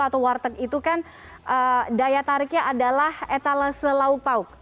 atau warteg itu kan daya tariknya adalah etalase lauk pauk